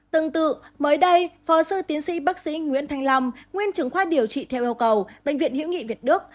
tương tự mới đây phó sư tiến sĩ bác sĩ nguyễn thanh long nguyên trưởng khoa điều trị theo yêu cầu bệnh viện hiễu nghị việt đức